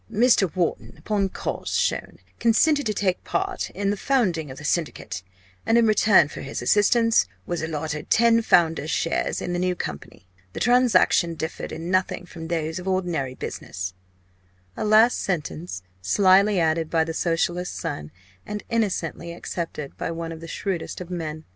"Mr. Wharton, upon cause shown, consented to take part in the founding of the Syndicate, and in return for his assistance, was allotted ten founders' shares in the new company. The transaction differed in nothing from those of ordinary business" a last sentence slily added by the Socialist son, and innocently accepted by one of the shrewdest of men.